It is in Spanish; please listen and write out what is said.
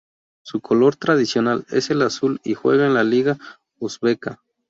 Su color tradicional es el azul y juega en la Liga Uzbeka.